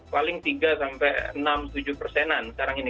paling tiga sampai enam tujuh persenan sekarang ini